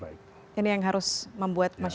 ini yang harus membuat masyarakat